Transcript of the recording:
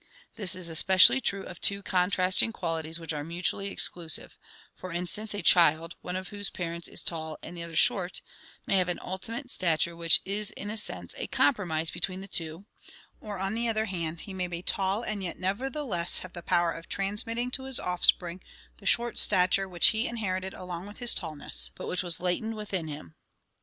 This is especially true of two contrasting qualities which are mutually exclusive; for instance, a child, one of whose parents is tall and the other short, may have an ultimate stature which is in a sense a compromise between the two, or on the other hand he may be tall and yet nevertheless have the power of transmitting to his offspring the short stature which he inherited along with his tallness, but which was latent within him.